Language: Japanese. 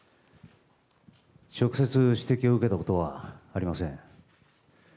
直接指摘を受けたことはありません。